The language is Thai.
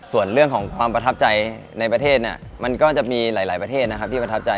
ส่วนเรื่องของความประทับใจในประเทศเนี่ยมันก็จะมีหลายประเทศนะครับที่ประทับใจ